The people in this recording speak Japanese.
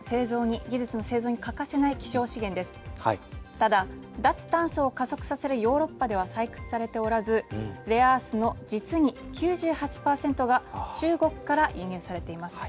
ただ脱炭素を加速させるヨーロッパでは採掘されておらずレアアースの実に９８％がはい。